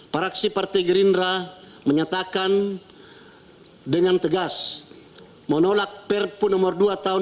praksi partai gerindra menyatakan dengan tegas menolak perpu nomor dua tahun dua ribu dua puluh